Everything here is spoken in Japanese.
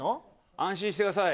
安心してください。